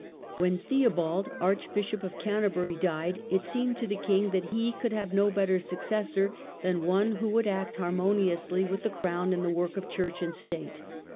When Theobald, Archbishop of Canterbury, died, it seemed to the king that he could have no better successor than one who would act harmoniously with ^^^y^^^ the crown in the work of church and state.